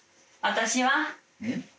「私は？」